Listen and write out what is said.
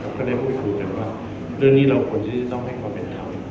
ก็ได้พูดคุยกันว่าเรื่องนี้เราควรที่จะต้องให้ความเป็นธรรม